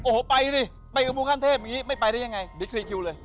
โอ้โหไปดิไปกับมูข้างเทพอย่างนี้ไม่ไปได้ยังไงบิ๊กคลีคิวเลย